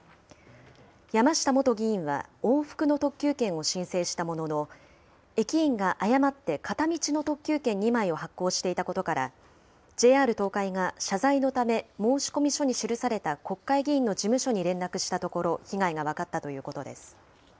山下元議員は往復の特急券を申請したものの、駅員が誤って片道の特急券２枚を発行していたことから、ＪＲ東海が謝罪のため申込書に記された国会議員の事務所に連絡したところ、被害が分かったということです。